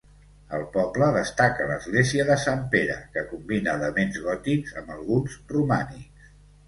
Al poble destaca l'església de Sant Pere que combina elements gòtics amb alguns romànics.